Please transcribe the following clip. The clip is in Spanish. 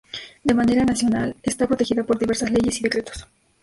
De manera nacional, está protegida por diversas leyes y decretos.